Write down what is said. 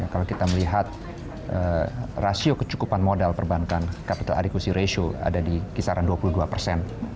kalau kita melihat rasio kecukupan modal perbankan capital aricusi ratio ada di kisaran dua puluh dua persen